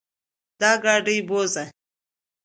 دا ګاډې بوځه.